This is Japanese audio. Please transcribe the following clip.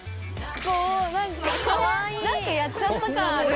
・何かやっちゃった感ある。